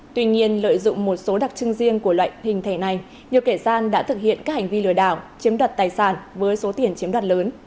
tuy nhiên lợi dụng một số đặc trưng riêng của loại hình thẻ này nhiều kẻ gian đã thực hiện các hành vi lừa đảo chiếm đoạt tài sản với số tiền chiếm đoạt lớn